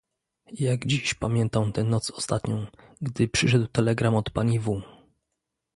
"Jak dziś pamiętam tę noc ostatnią, gdy przyszedł telegram od pani W."